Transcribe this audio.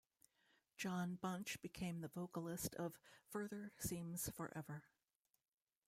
Jon Bunch became the vocalist of Further Seems Forever.